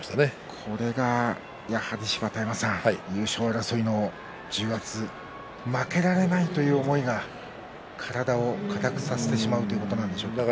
これが、やはり芝田山さん優勝争いの重圧負けられないという思いが体を硬くさせてしまったということでしょうか。